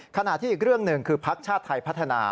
ขณะที่อีกเรื่องหนึ่งคือพักชาติไทยพัฒนา